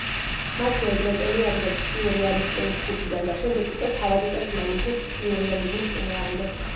მას ჯერ ბრეტონი აგდებს სიურეალისტური ჯგუფიდან და შემდეგ უკვე თავად წერს მანიფესტს სიურეალიზმის წინააღმდეგ.